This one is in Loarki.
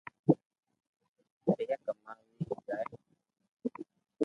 پييا ڪماوي جائي